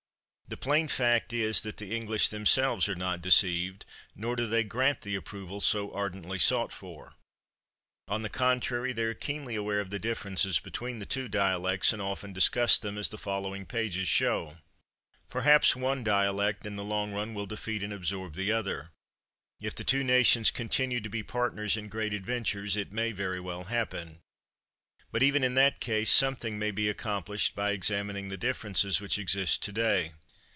The plain fact is that the English themselves are not deceived, nor do they grant the approval so ardently sought for. On the contrary, they are keenly aware of the differences between the two dialects, and often discuss them, as the following pages show. Perhaps one dialect, in the long run, will defeat and absorb the other; if the two nations continue to be partners in great adventures it may very well happen. But even in that case, something may be accomplished by examining the differences which exist today.